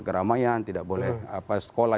keramaian tidak boleh sekolah